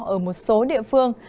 ở một số địa phương